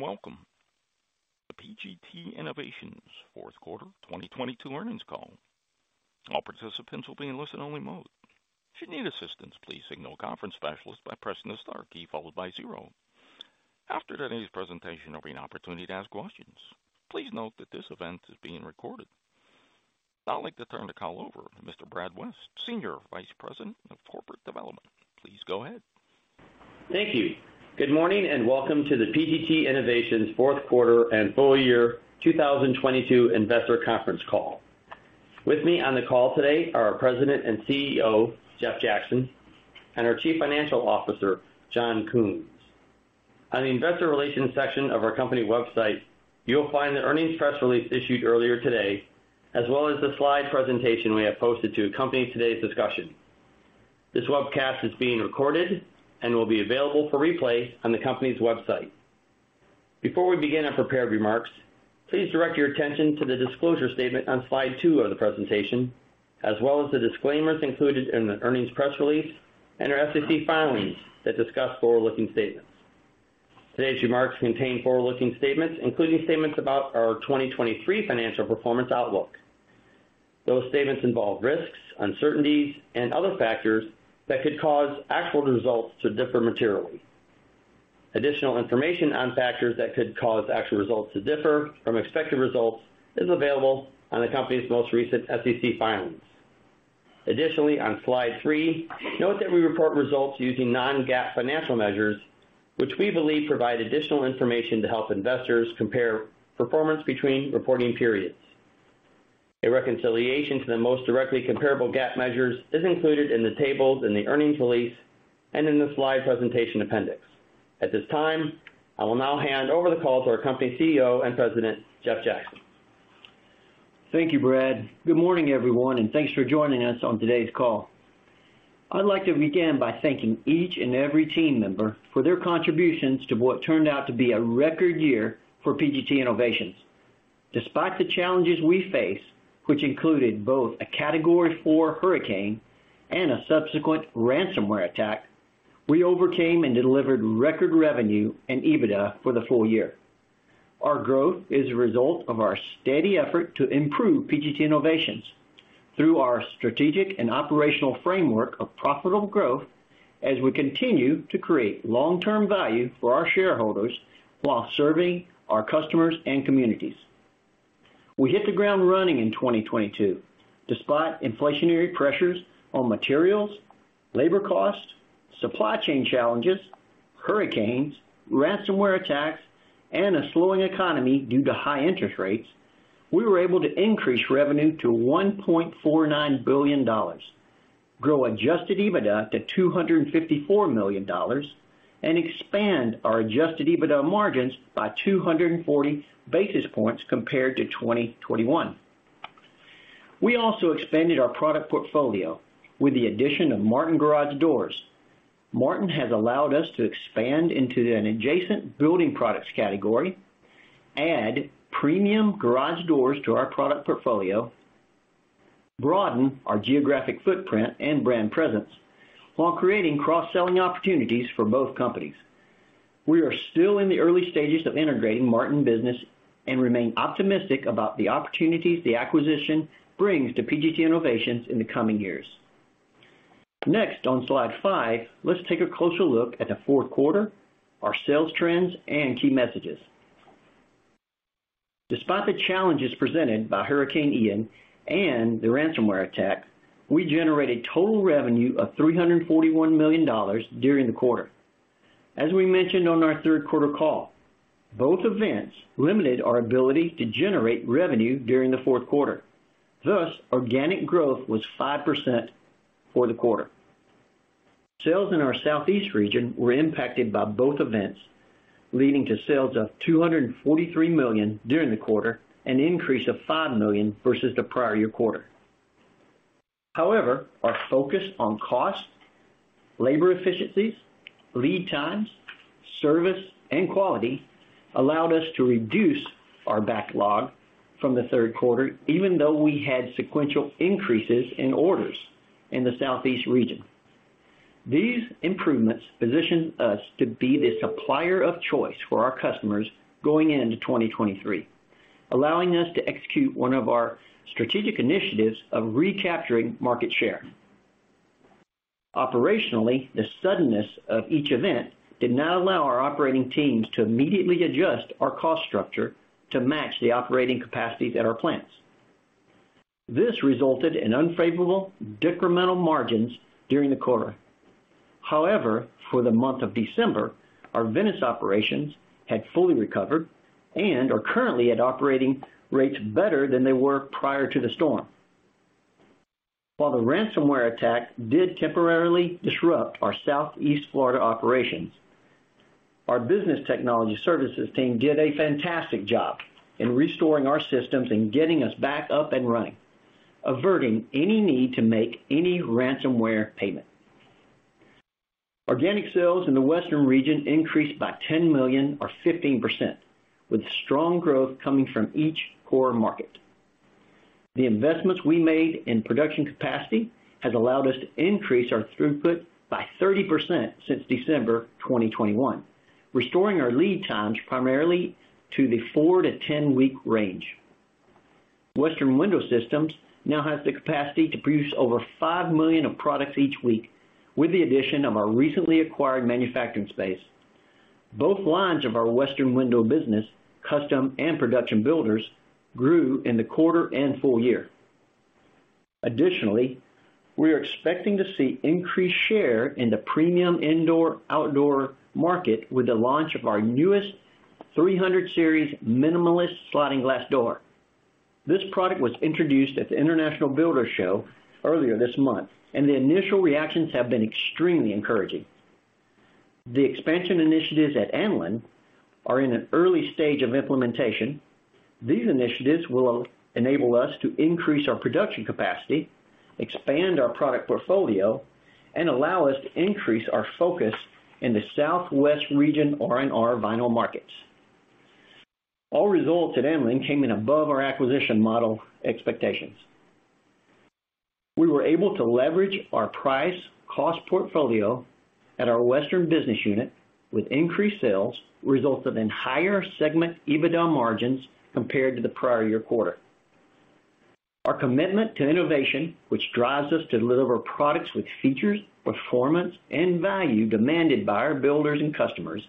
Good morning. Welcome to PGT Innovations fourth quarter 2022 earnings call. All participants will be in listen-only mode. If you need assistance, please signal a conference specialist by pressing the star key followed by zero. After today's presentation, there'll be an opportunity to ask questions. Please note that this event is being recorded. I'd like to turn the call over to Mr. Brad West, Senior Vice President of Corporate Development. Please go ahead. Thank you. Good morning, and welcome to the PGT Innovations fourth quarter and full year 2022 investor conference call. With me on the call today are our President and CEO, Jeff Jackson, and our Chief Financial Officer, John Kunz. On the investor relations section of our company website, you'll find the earnings press release issued earlier today, as well as the slide presentation we have posted to accompany today's discussion. This webcast is being recorded and will be available for replay on the company's website. Before we begin our prepared remarks, please direct your attention to the disclosure statement on slide two of the presentation, as well as the disclaimers included in the earnings press release and our SEC filings that discuss forward-looking statements. Today's remarks contain forward-looking statements, including statements about our 2023 financial performance outlook. Those statements involve risks, uncertainties, and other factors that could cause actual results to differ materially. Additional information on factors that could cause actual results to differ from expected results is available on the company's most recent SEC filings. Additionally, on slide three, note that we report results using non-GAAP financial measures, which we believe provide additional information to help investors compare performance between reporting periods. A reconciliation to the most directly comparable GAAP measures is included in the tables in the earnings release and in the slide presentation appendix. At this time, I will now hand over the call to our company CEO and President, Jeff Jackson. Thank you, Brad. Good morning, everyone, and thanks for joining us on today's call. I'd like to begin by thanking each and every team member for their contributions to what turned out to be a record year for PGT Innovations. Despite the challenges we faced, which included both a Category 4 hurricane and a subsequent ransomware attack, we overcame and delivered record revenue and EBITDA for the full year. Our growth is a result of our steady effort to improve PGT Innovations through our strategic and operational framework of profitable growth as we continue to create long-term value for our shareholders while serving our customers and communities. We hit the ground running in 2022. Despite inflationary pressures on materials, labor costs, supply chain challenges, hurricanes, ransomware attacks, and a slowing economy due to high interest rates, we were able to increase revenue to $1.49 billion, grow adjusted EBITDA to $254 million, and expand our adjusted EBITDA margins by 240 basis points compared to 2021. We also expanded our product portfolio with the addition of Martin Garage Doors. Martin has allowed us to expand into an adjacent building products category, add premium garage doors to our product portfolio, broaden our geographic footprint and brand presence while creating cross-selling opportunities for both companies. We are still in the early stages of integrating Martin business and remain optimistic about the opportunities the acquisition brings to PGT Innovations in the coming years. Next, on slide five, let's take a closer look at the fourth quarter, our sales trends, and key messages. Despite the challenges presented by Hurricane Ian and the ransomware attack, we generated total revenue of $341 million during the quarter. As we mentioned on our third quarter call, both events limited our ability to generate revenue during the fourth quarter, thus organic growth was 5% for the quarter. Sales in our southeast region were impacted by both events, leading to sales of $243 million during the quarter, an increase of $5 million versus the prior year quarter. Our focus on cost, labor efficiencies, lead times, service, and quality allowed us to reduce our backlog from the third quarter, even though we had sequential increases in orders in the southeast region. These improvements position us to be the supplier of choice for our customers going into 2023, allowing us to execute one of our strategic initiatives of recapturing market share. Operationally, the suddenness of each event did not allow our operating teams to immediately adjust our cost structure to match the operating capacities at our plants. This resulted in unfavorable decremental margins during the quarter. For the month of December, our Venice operations had fully recovered and are currently at operating rates better than they were prior to the storm. While the ransomware attack did temporarily disrupt our Southeast Florida operations, our business technology services team did a fantastic job in restoring our systems and getting us back up and running, averting any need to make any ransomware payment. Organic sales in the western region increased by $10 million or 15%, with strong growth coming from each core market. The investments we made in production capacity has allowed us to increase our throughput by 30% since December 2021, restoring our lead times primarily to the 4-10-week range. Western Window Systems now has the capacity to produce over $5 million of products each week with the addition of our recently acquired manufacturing space. Both lines of our Western Window business, custom and production builders, grew in the quarter and full year. Additionally, we are expecting to see increased share in the premium indoor-outdoor market with the launch of our newest 300 Series Minimalist sliding glass door. This product was introduced at the International Builders' Show earlier this month, and the initial reactions have been extremely encouraging. The expansion initiatives at Anlin are in an early stage of implementation. These initiatives will enable us to increase our production capacity, expand our product portfolio, and allow us to increase our focus in the Southwest region R&R vinyl markets. All results at Anlin came in above our acquisition model expectations. We were able to leverage our price-cost portfolio at our Western business unit with increased sales, resulting in higher segment EBITDA margins compared to the prior year quarter. Our commitment to innovation, which drives us to deliver products with features, performance, and value demanded by our builders and customers,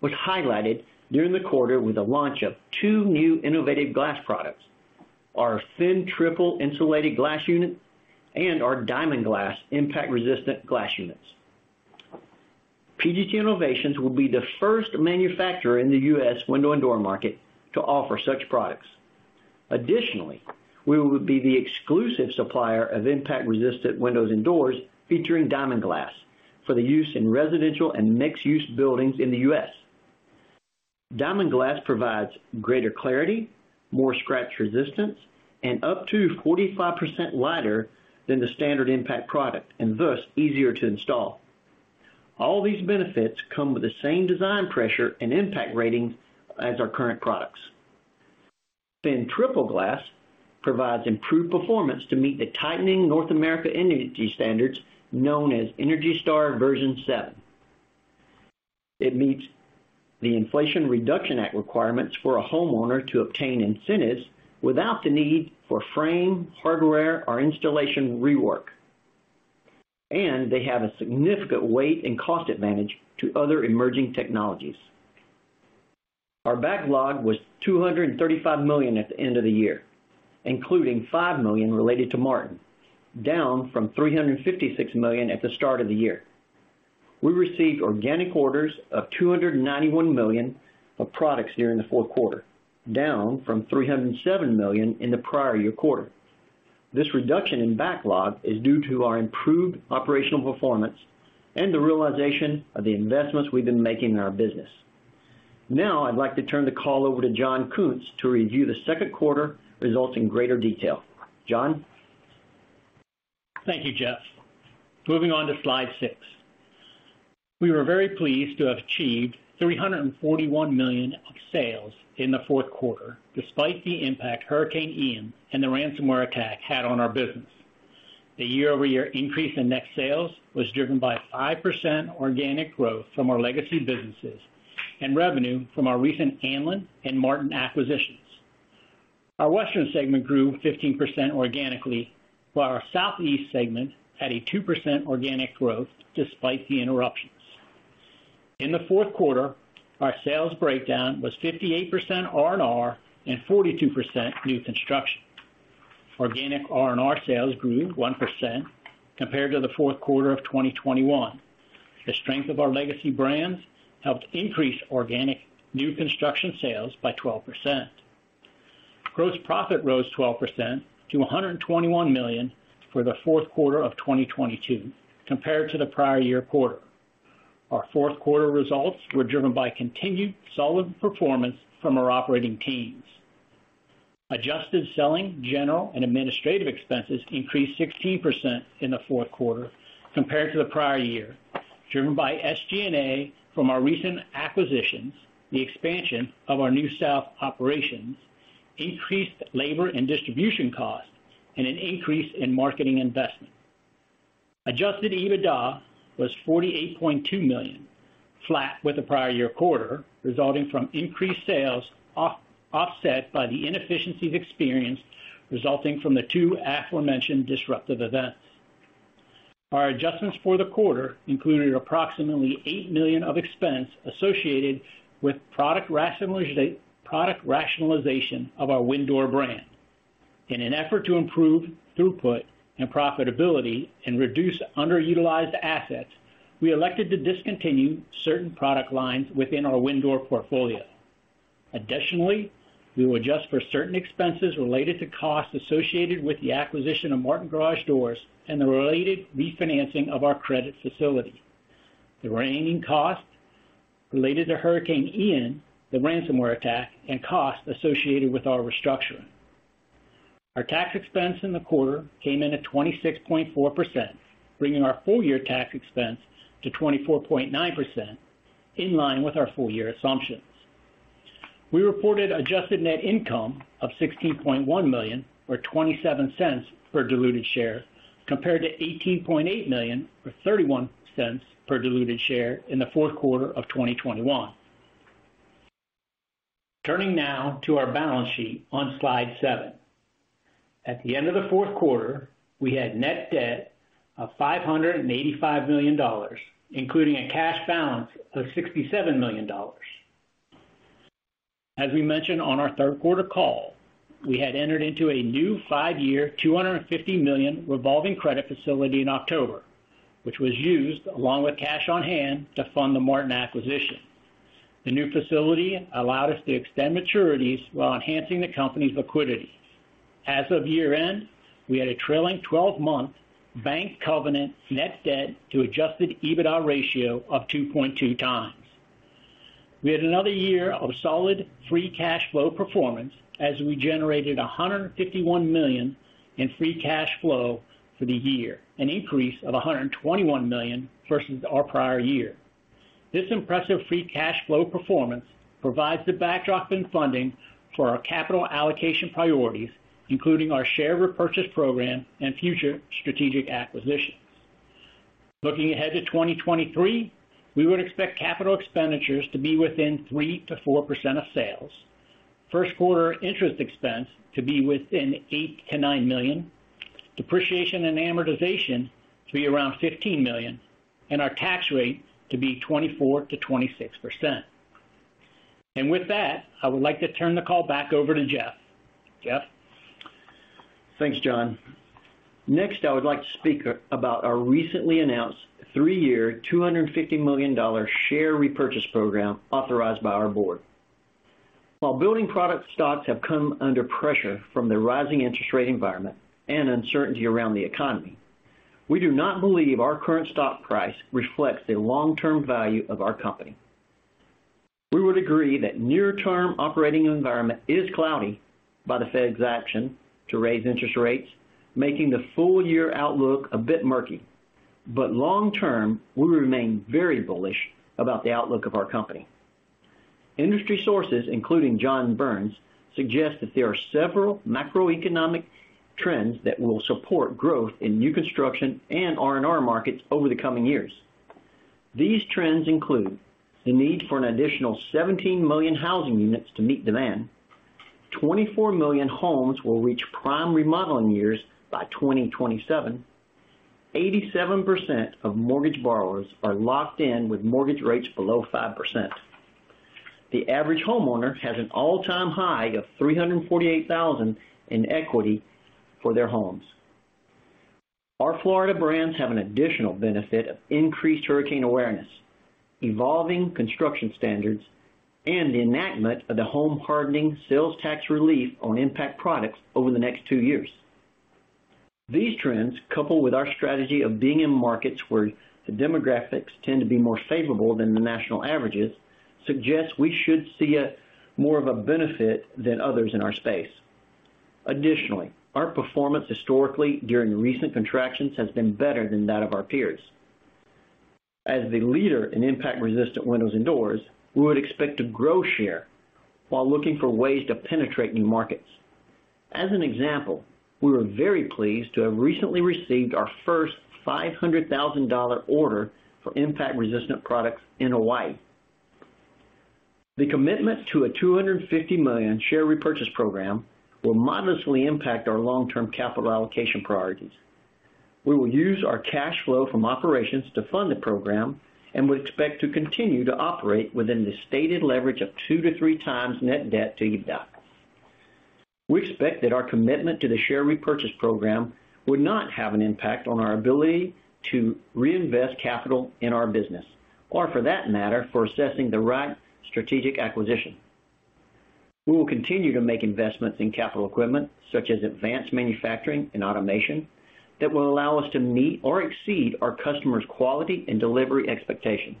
was highlighted during the quarter with the launch of two new innovative glass products: our Thin Triple Insulated Glass Unit and our Diamond Glass impact-resistant glass units. PGT Innovations will be the first manufacturer in the U.S. window and door market to offer such products. Additionally, we will be the exclusive supplier of impact-resistant windows and doors featuring Diamond Glass for the use in residential and mixed-use buildings in the U.S. Diamond Glass provides greater clarity, more scratch resistance, and up to 45% lighter than the standard impact product, and thus easier to install. All these benefits come with the same design pressure and impact rating as our current products. Thin triple glass provides improved performance to meet the tightening North America energy standards known as ENERGY STAR Version 7.0. It meets the Inflation Reduction Act requirements for a homeowner to obtain incentives without the need for frame, hardware, or installation rework. They have a significant weight and cost advantage to other emerging technologies. Our backlog was $235 million at the end of the year, including $5 million related to Martin, down from $356 million at the start of the year. We received organic orders of $291 million of products during the fourth quarter, down from $307 million in the prior year quarter. This reduction in backlog is due to our improved operational performance and the realization of the investments we've been making in our business. I'd like to turn the call over to John Kunz to review the second quarter results in greater detail. John? Thank you, Jeff. Moving on to slide six. We were very pleased to have achieved $341 million of sales in the fourth quarter, despite the impact Hurricane Ian and the ransomware attack had on our business. The year-over-year increase in net sales was driven by 5% organic growth from our legacy businesses and revenue from our recent Anlin and Martin acquisitions. Our Western segment grew 15% organically, while our Southeast segment had a 2% organic growth despite the interruptions. In the fourth quarter, our sales breakdown was 58% R&R and 42% new construction. Organic R&R sales grew 1% compared to the fourth quarter of 2021. The strength of our legacy brands helped increase organic new construction sales by 12%. Gross profit rose 12% to $121 million for the fourth quarter of 2022 compared to the prior year quarter. Our fourth quarter results were driven by continued solid performance from our operating teams. Adjusted selling general and administrative expenses increased 16% in the fourth quarter compared to the prior year, driven by SG&A from our recent acquisitions, the expansion of our NewSouth operations, increased labor and distribution costs, and an increase in marketing investment. Adjusted EBITDA was $48.2 million, flat with the prior year quarter, resulting from increased sales offset by the inefficiencies experienced resulting from the two aforementioned disruptive events. Our adjustments for the quarter included approximately $8 million of expense associated with product rationalization of our WinDoor brand. In an effort to improve throughput and profitability and reduce underutilized assets, we elected to discontinue certain product lines within our WinDoor portfolio. Additionally, we will adjust for certain expenses related to costs associated with the acquisition of Martin Garage Doors and the related refinancing of our credit facility. The remaining costs related to Hurricane Ian, the ransomware attack, and costs associated with our restructuring. Our tax expense in the quarter came in at 26.4%, bringing our full year tax expense to 24.9%, in line with our full year assumptions. We reported adjusted net income of $16.1 million or $0.27 per diluted share, compared to $18.8 million or $0.31 per diluted share in the fourth quarter of 2021. Turning now to our balance sheet on slide 7. At the end of the fourth quarter, we had net debt of $585 million, including a cash balance of $67 million. As we mentioned on our third quarter call, we had entered into a new 5-year, $250 million revolving credit facility in October, which was used along with cash on hand to fund the Martin acquisition. The new facility allowed us to extend maturities while enhancing the company's liquidity. As of year-end, we had a trailing twelve-month bank covenant net debt to adjusted EBITDA ratio of 2.2 times. We had another year of solid free cash flow performance as we generated $151 million in free cash flow for the year, an increase of $121 million versus our prior year. This impressive free cash flow performance provides the backdrop and funding for our capital allocation priorities, including our share repurchase program and future strategic acquisitions. Looking ahead to 2023, we would expect capital expenditures to be within 3%-4% of sales, first quarter interest expense to be within $8 million-$9 million, depreciation and amortization to be around $15 million, and our tax rate to be 24%-26%. With that, I would like to turn the call back over to Jeff. Jeff? Thanks, John. Next, I would like to speak about our recently announced 3-year, $250 million share repurchase program authorized by our board. While building product stocks have come under pressure from the rising interest rate environment and uncertainty around the economy, we do not believe our current stock price reflects the long-term value of our company. We would agree that near-term operating environment is cloudy by the Fed's action to raise interest rates, making the full year outlook a bit murky. Long term, we remain very bullish about the outlook of our company. Industry sources, including John Burns, suggest that there are several macroeconomic trends that will support growth in new construction and R&R markets over the coming years. These trends include the need for an additional 17 million housing units to meet demand. 24 million homes will reach prime remodeling years by 2027. 87% of mortgage borrowers are locked in with mortgage rates below 5%. The average homeowner has an all-time high of $348,000 in equity for their homes. Our Florida brands have an additional benefit of increased hurricane awareness, evolving construction standards, and the enactment of the Home Hardening Sales Tax Relief on impact products over the next two years. These trends, coupled with our strategy of being in markets where the demographics tend to be more favorable than the national averages, suggests we should see more of a benefit than others in our space. Additionally, our performance historically during recent contractions has been better than that of our peers. As the leader in impact-resistant windows and doors, we would expect to grow share while looking for ways to penetrate new markets. As an example, we were very pleased to have recently received our first $500,000 order for impact-resistant products in Hawaii. The commitment to a $250 million share repurchase program will modestly impact our long-term capital allocation priorities. We will use our cash flow from operations to fund the program and we expect to continue to operate within the stated leverage of two to three times net debt to EBITDA. We expect that our commitment to the share repurchase program would not have an impact on our ability to reinvest capital in our business or for that matter, for assessing the right strategic acquisition. We will continue to make investments in capital equipment such as advanced manufacturing and automation that will allow us to meet or exceed our customers' quality and delivery expectations.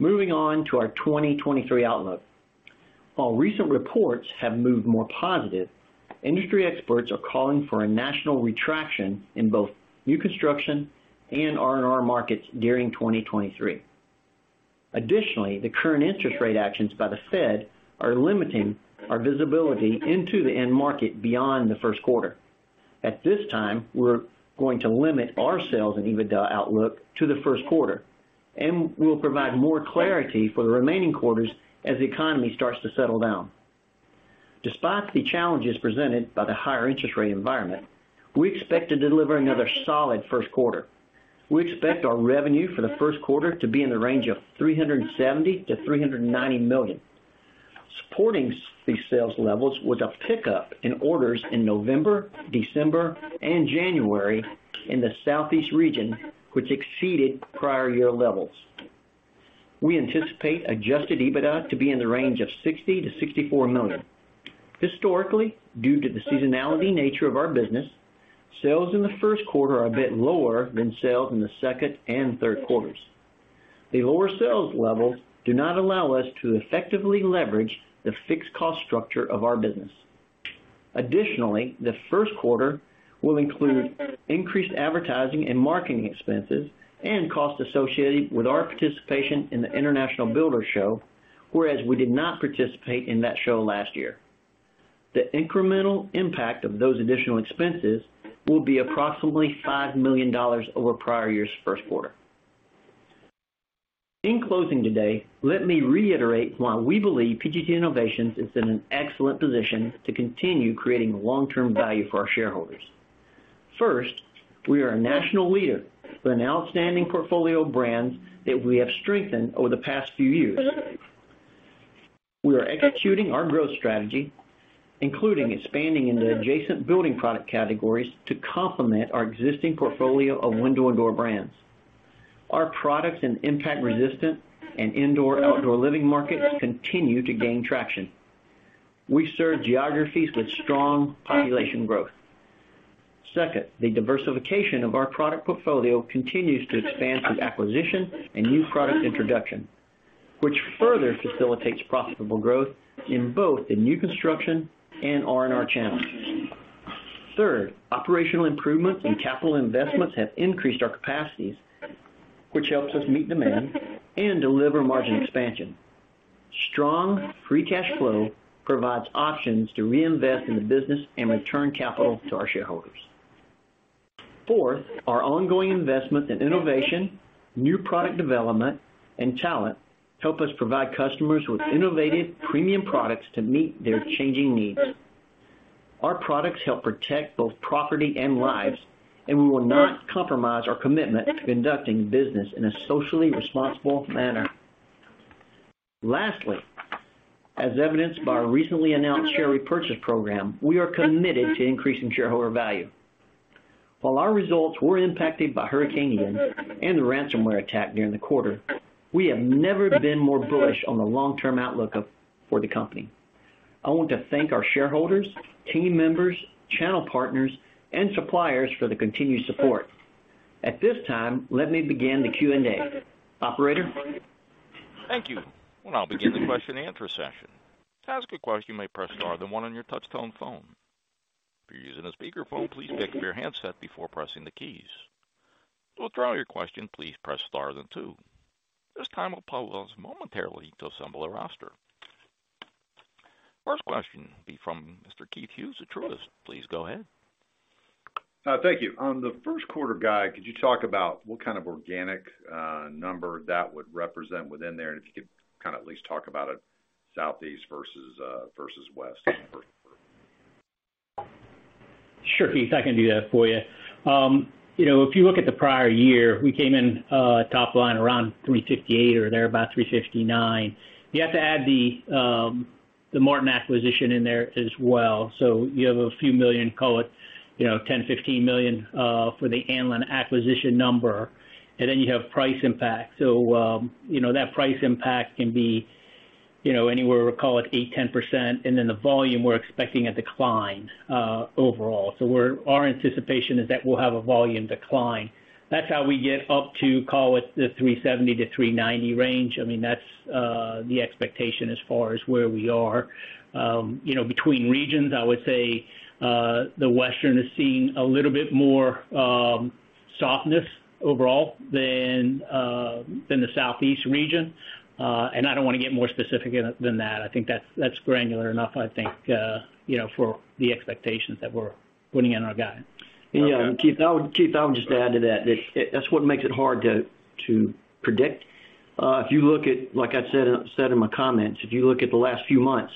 Moving on to our 2023 outlook. While recent reports have moved more positive, industry experts are calling for a national retraction in both new construction and R&R markets during 2023. The current interest rate actions by the Fed are limiting our visibility into the end market beyond the first quarter. At this time, we're going to limit our sales and EBITDA outlook to the first quarter, and we'll provide more clarity for the remaining quarters as the economy starts to settle down. Despite the challenges presented by the higher interest rate environment, we expect to deliver another solid first quarter. We expect our revenue for the first quarter to be in the range of $370 million-$390 million. Supporting these sales levels with a pickup in orders in November, December and January in the Southeast region, which exceeded prior year levels. We anticipate adjusted EBITDA to be in the range of $60 million-$64 million. Historically, due to the seasonality nature of our business, sales in the first quarter are a bit lower than sales in the second and third quarters. The lower sales levels do not allow us to effectively leverage the fixed cost structure of our business. Additionally, the first quarter will include increased advertising and marketing expenses and costs associated with our participation in the International Builders' Show, whereas we did not participate in that show last year. The incremental impact of those additional expenses will be approximately $5 million over prior year's first quarter. In closing today, let me reiterate why we believe PGT Innovations is in an excellent position to continue creating long-term value for our shareholders. First, we are a national leader with an outstanding portfolio of brands that we have strengthened over the past few years. We are executing our growth strategy, including expanding into adjacent building product categories to complement our existing portfolio of window and door brands. Our products in impact-resistant and indoor/outdoor living markets continue to gain traction. We serve geographies with strong population growth. Second, the diversification of our product portfolio continues to expand through acquisition and new product introduction, which further facilitates profitable growth in both the new construction and R&R channels. Third, operational improvements in capital investments have increased our capacities, which helps us meet demand and deliver margin expansion. Strong free cash flow provides options to reinvest in the business and return capital to our shareholders. Fourth, our ongoing investment in innovation, new product development, and talent help us provide customers with innovative premium products to meet their changing needs. Our products help protect both property and lives, and we will not compromise our commitment to conducting business in a socially responsible manner. Lastly, as evidenced by our recently announced share repurchase program, we are committed to increasing shareholder value. While our results were impacted by Hurricane Ian and the ransomware attack during the quarter, we have never been more bullish on the long-term outlook for the company. I want to thank our shareholders, team members, channel partners, and suppliers for the continued support. At this time, let me begin the Q&A. Operator? Thank you. We'll now begin the question and answer session. To ask a question, press star then one on your touchtone phone. If you're using a speakerphone, please pick up your handset before pressing the keys. To withdraw your question, please press star then two. This time we'll pause momentarily to assemble a roster. First question will be from Mr. Keith Hughes at Truist. Please go ahead. Thank you. On the first quarter guide, could you talk about what kind of organic number that would represent within there, and if you could kind of at least talk about it Southeast versus West? Sure, Keith, I can do that for you. You know, if you look at the prior year, we came in top line around $358 or there about $359. You have to add the Martin acquisition in there as well. You have a few million, call it, you know, $10 million-$15 million for the Anlin acquisition number, and then you have price impact. You know, that price impact can be, you know, anywhere call it 8%-10%, and then the volume we're expecting a decline overall. Our anticipation is that we'll have a volume decline. That's how we get up to call it the $370 million-$390 million range. I mean, that's the expectation as far as where we are. You know, between regions, I would say, the Western is seeing a little bit more softness overall than the Southeast region. I don't wanna get more specific in it than that. I think that's granular enough, I think, you know, for the expectations that we're putting in our guide. Yeah. Keith, I would just add to that that's what makes it hard to predict. If you look at, like I said in my comments, if you look at the last few months,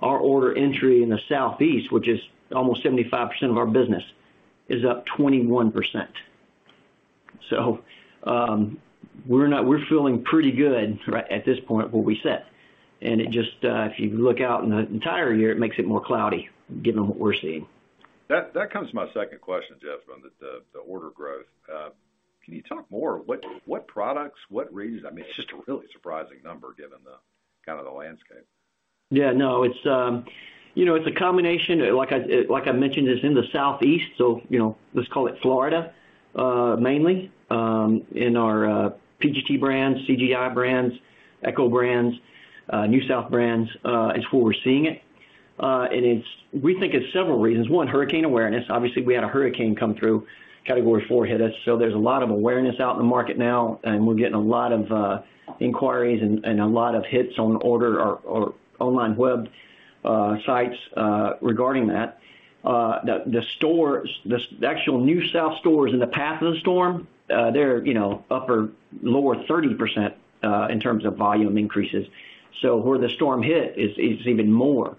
our order entry in the Southeast, which is almost 75% of our business, is up 21%. We're feeling pretty good at this point where we sit. It just, if you look out in the entire year, it makes it more cloudy given what we're seeing. That comes to my second question, Jeff, on the order growth. Can you talk more? What products, what regions? I mean, it's just a really surprising number given the, kind of the landscape. Yeah. No. It's, you know, it's a combination. Like I, like I mentioned, it's in the Southeast, so, you know, let's call it Florida, mainly, in our PGT brands, CGI brands, Eco brands, NewSouth brands, is where we're seeing it. And it's we think it's several reasons. One, hurricane awareness. Obviously, we had a hurricane come through. Category 4 hit us, so there's a lot of awareness out in the market now, and we're getting a lot of inquiries and a lot of hits on order or online web sites regarding that. The, the actual NewSouth stores in the path of the storm, they're, you know, upper, lower 30% in terms of volume increases. So where the storm hit is even more.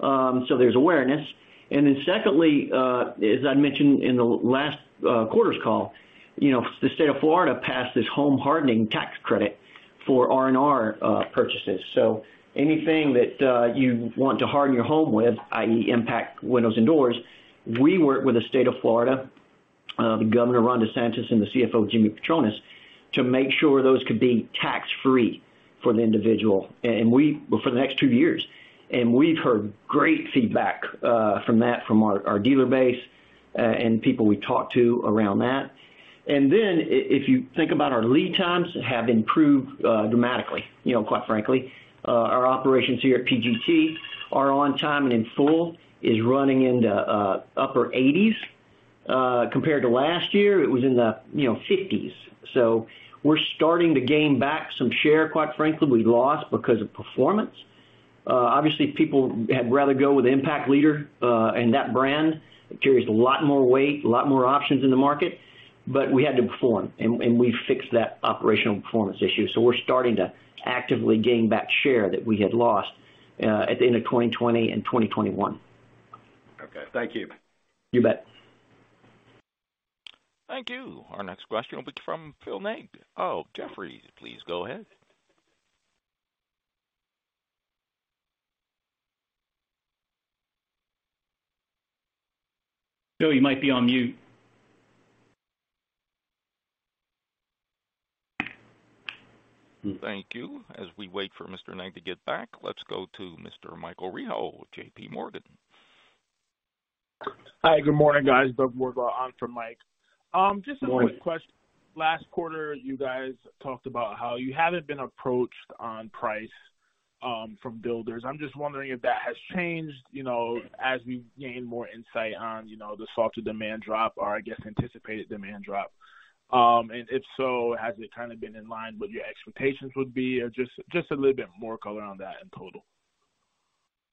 So there's awareness. Secondly, as I mentioned in the last quarter's call, you know, the State of Florida passed this Home Hardening tax credit for R&R purchases. Anything that you want to harden your home with, i.e., impact windows and doors, we work with the State of Florida, the Governor Ron DeSantis, and the CFO Jimmy Patronis, to make sure those could be tax-free for the individual for the next 2 years. We've heard great feedback from that, from our dealer base, and people we talk to around that. If you think about our lead times have improved dramatically, you know, quite frankly. Our operations here at PGT are On-Time In-Full is running into upper 80s compared to last year, it was in the, you know, 50s. We're starting to gain back some share, quite frankly, we lost because of performance. Obviously people had rather go with Impact Leader, and that brand. It carries a lot more weight, a lot more options in the market. We had to perform and we fixed that operational performance issue. We're starting to actively gain back share that we had lost, at the end of 2020 and 2021. Okay. Thank you. You bet. Thank you. Our next question will be from Philip Ng, of Jefferies. Please go ahead. Phil, you might be on mute. Thank you. As we wait for Mr. Ng to get back, let's go to Mr. Michael Rehaut with JP Morgan. Hi, good morning, guys. Doug Clark on for Mike. Morning. Just a quick question. Last quarter, you guys talked about how you haven't been approached on price from builders. I'm just wondering if that has changed, you know, as we gain more insight on, you know, the softer demand drop or, I guess, anticipated demand drop. If so, has it kind of been in line with your expectations would be? Or just a little bit more color on that in total?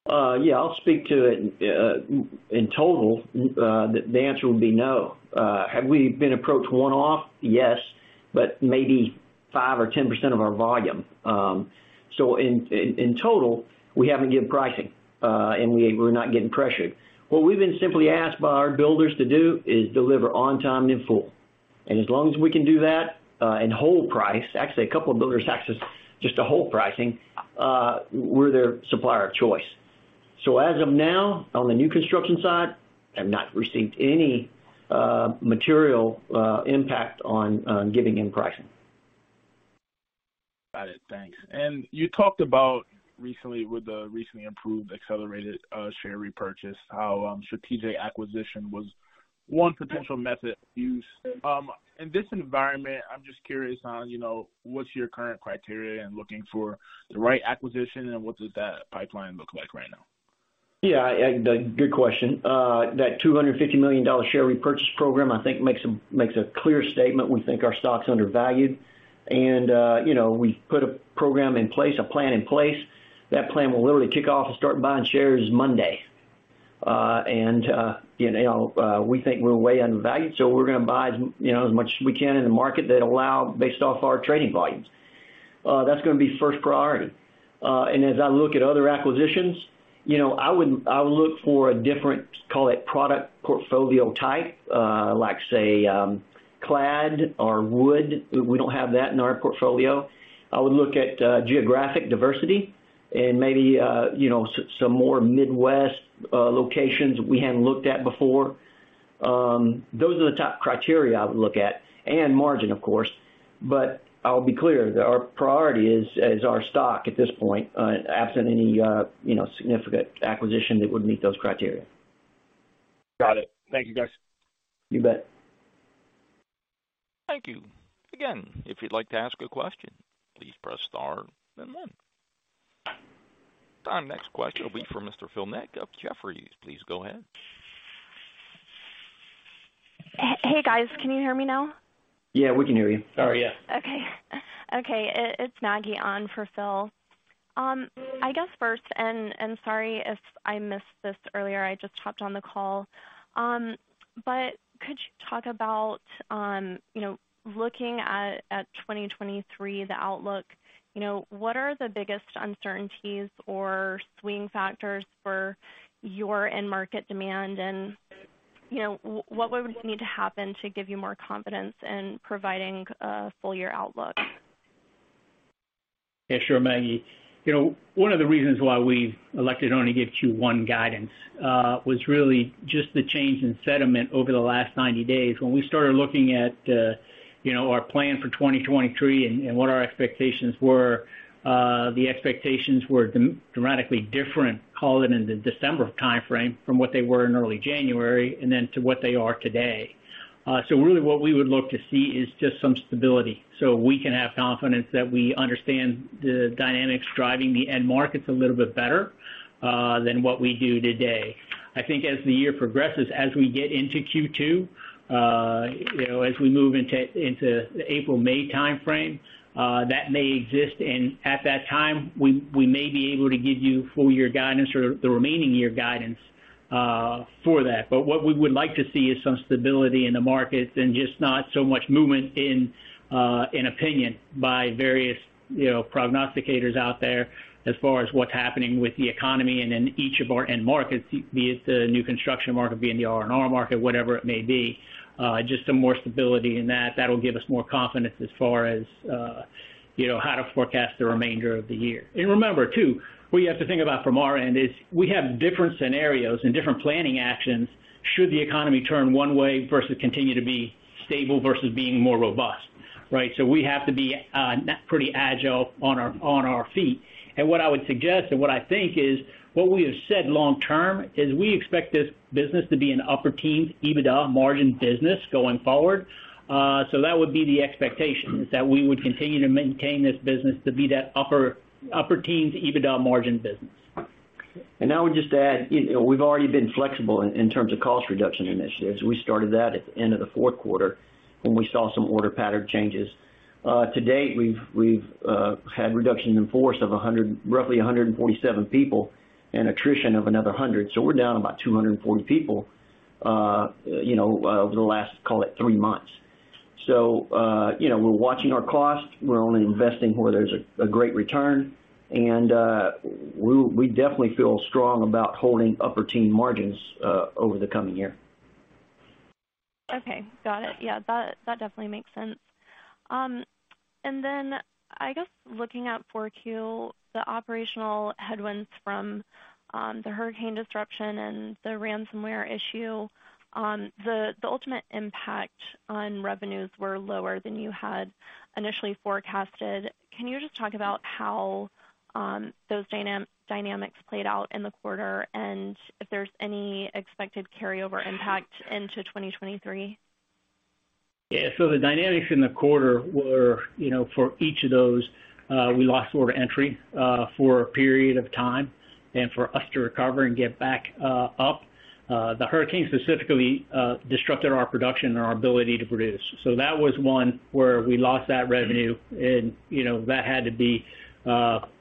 Yeah, I'll speak to it. In total, the answer would be no. Have we been approached one-off? Yes, maybe 5% or 10% of our volume. In total, we haven't given pricing, and we're not getting pressured. What we've been simply asked by our builders to do is deliver on time in full. As long as we can do that, and hold price, actually a couple of builders asked us just to hold pricing, we're their supplier of choice. As of now, on the new construction side, have not received any material impact on giving in pricing. Got it. Thanks. You talked about recently with the recently improved accelerated share repurchase, how strategic acquisition was one potential method used. In this environment, I'm just curious on, you know, what's your current criteria in looking for the right acquisition and what does that pipeline look like right now? Yeah, good question. That $250 million share repurchase program, I think makes a clear statement. We think our stock's undervalued. You know, we've put a program in place, a plan in place. That plan will literally kick off and start buying shares Monday. You know, we think we're way undervalued, so we're gonna buy, you know, as much as we can in the market that allow based off our trading volumes. That's gonna be first priority. As I look at other acquisitions, you know, I would, I would look for a different, call it product portfolio type, like, say, clad or wood. We don't have that in our portfolio. I would look at geographic diversity and maybe, you know, some more Midwest locations we hadn't looked at before. Those are the top criteria I would look at and margin, of course. I'll be clear that our priority is our stock at this point, absent any significant acquisition that would meet those criteria. Got it. Thank you, guys. You bet. Thank you. If you'd like to ask a question, please press star then one. Our next question will be from Mr. Philip Ng of Jefferies. Please go ahead. Hey, guys, can you hear me now? Yeah, we can hear you. Sorry. Yeah. Okay. Okay, it's Maggie on for Phil. I guess first, and sorry if I missed this earlier, I just hopped on the call. Could you talk about, you know, looking at 2023, the outlook, you know, what are the biggest uncertainties or swing factors for your end market demand? you know, what would need to happen to give you more confidence in providing a full year outlook? Sure, Maggie. You know, one of the reasons why we elected only give Q1 guidance, was really just the change in sentiment over the last 90 days. When we started looking at, you know, our plan for 2023 and what our expectations were, the expectations were dramatically different, call it in the December timeframe from what they were in early January and then to what they are today. Really what we would look to see is just some stability so we can have confidence that we understand the dynamics driving the end markets a little bit better than what we do today. I think as the year progresses, as we get into Q2, you know, as we move into the April, May timeframe, that may exist. At that time, we may be able to give you full year guidance or the remaining year guidance for that. What we would like to see is some stability in the markets and just not so much movement in opinion by various, you know, prognosticators out there as far as what's happening with the economy and in each of our end markets, be it the new construction market, be it in the R&R market, whatever it may be. Just some more stability in that'll give us more confidence as far as, you know, how to forecast the remainder of the year. Remember, too, what you have to think about from our end is we have different scenarios and different planning actions should the economy turn one way versus continue to be stable versus being more robust. Right. We have to be pretty agile on our feet. What I would suggest, and what I think is, what we have said long term is we expect this business to be an upper teens EBITDA margin business going forward. That would be the expectation, is that we would continue to maintain this business to be that upper teens EBITDA margin business. I would just add, you know, we've already been flexible in terms of cost reduction initiatives. We started that at the end of the fourth quarter when we saw some order pattern changes. To date, we've had reductions in force of roughly 147 people, and attrition of another 100. We're down about 240 people, you know, over the last, call it three months. We're watching our costs. We're only investing where there's a great return and we definitely feel strong about holding upper teen margins over the coming year. Okay. Got it. Yeah, that definitely makes sense. I guess looking at four Q, the operational headwinds from the hurricane disruption and the ransomware issue, the ultimate impact on revenues were lower than you had initially forecasted. Can you just talk about how those dynamics played out in the quarter and if there's any expected carryover impact into 2023? Yeah. The dynamics in the quarter were, you know, for each of those, we lost order entry for a period of time and for us to recover and get back up. The hurricane specifically disrupted our production and our ability to produce. That was one where we lost that revenue and, you know, that had to be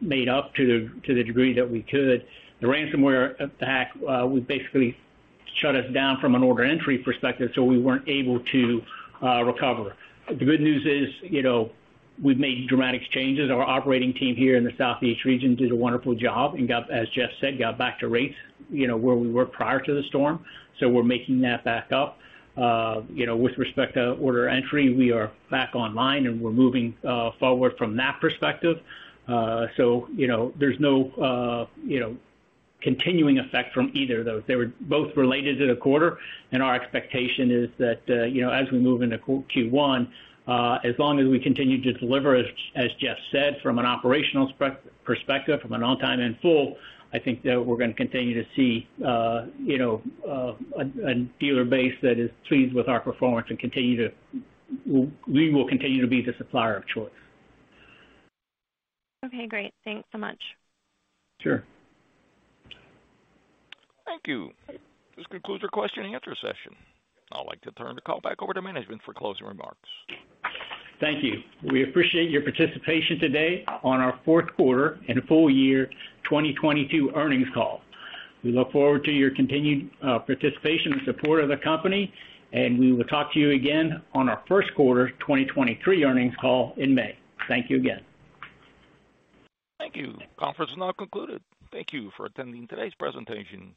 made up to the degree that we could. The ransomware attack was basically shut us down from an order entry perspective, so we weren't able to recover. The good news is, you know, we've made dramatic changes. Our operating team here in the Southeast region did a wonderful job and got, as Jeff said, got back to rates, you know, where we were prior to the storm. We're making that back up. You know, with respect to order entry, we are back online and we're moving forward from that perspective. You know, there's no, you know, continuing effect from either of those. They were both related to the quarter. Our expectation is that, you know, as we move into Q1, as long as we continue to deliver, as Jeff said, from an operational perspective, from an On-Time In-Full, I think that we're gonna continue to see, you know, a dealer base that is pleased with our performance and continue to. We will continue to be the supplier of choice. Okay, great. Thanks so much. Sure. Thank you. This concludes our question and answer session. I'd like to turn the call back over to management for closing remarks. Thank you. We appreciate your participation today on our fourth quarter and full year 2022 earnings call. We look forward to your continued participation and support of the company. We will talk to you again on our first quarter 2023 earnings call in May. Thank you again. Thank you. Conference is now concluded. Thank you for attending today's presentation.